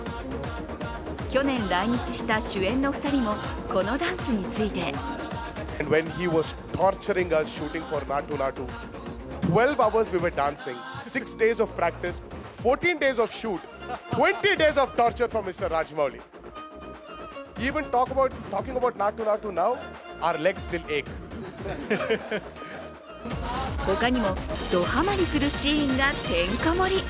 去年来日した主演の２人もこのダンスについて他にもドはまりするシーンがてんこ盛り。